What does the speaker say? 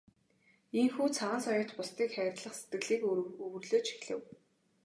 Ийнхүү Цагаан соёот бусдыг хайрлах сэтгэлийг өвөрлөж эхлэв.